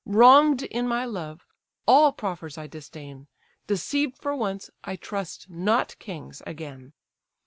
Wrong'd in my love, all proffers I disdain; Deceived for once, I trust not kings again.